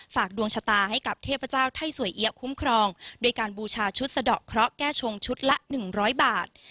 ดวงชะตาให้กับเทพเจ้าไทยสวยเอี๊ยคุ้มครองโดยการบูชาชุดสะดอกเคราะห์แก้ชงชุดละ๑๐๐บาท